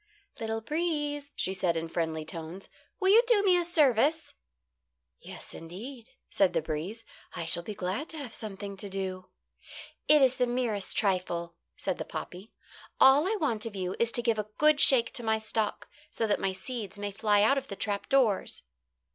"Little breeze," she said, in friendly tones, "will you do me a service?" "Yes, indeed," said the breeze. "I shall be glad to have something to do." "It is the merest trifle," said the poppy. "All I want of you is to give a good shake to my stalk, so that my seeds may fly out of the trap doors."